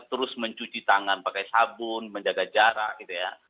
terus mencuci tangan pakai sabun menjaga jarak gitu ya